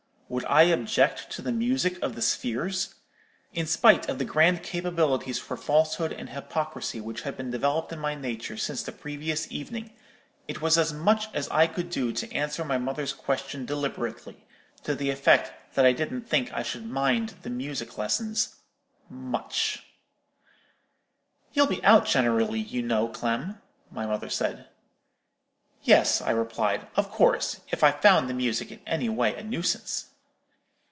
Would I object to the music of the spheres? In spite of the grand capabilities for falsehood and hypocrisy which had been developed in my nature since the previous evening, it was as much as I could do to answer my mother's question deliberately, to the effect that I didn't think I should mind the music lessons much. "'You'll be out generally, you know, Clem,' my mother said. "'Yes,' I replied, 'of course, if I found the music in any way a nuisance.'